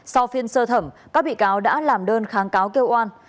sau phiên sơ thẩm các bị cáo đã làm đơn kháng cáo kêu oan